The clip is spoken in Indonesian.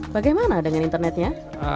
bagaimana dengan internetnya